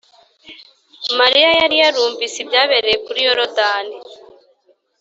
. Mariya yari yarumvise ibyabereye kuri Yorodani